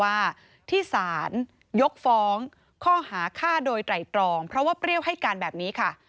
ว่าที่สารยกฟ้องข้อหาฆ่าโดยไตรตรองเพราะว่าเปรี้ยวให้การแบบนี้ค่ะ